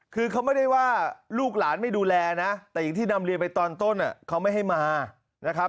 คือเขาไม่ได้ว่าลูกหลานไม่ดูแลนะแต่อย่างที่นำเรียนไปตอนต้นเขาไม่ให้มานะครับ